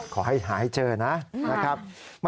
ขอให้หาให้เจอนะครับ